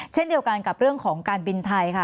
เช่นเดียวกันกับเรื่องของการบินไทยค่ะ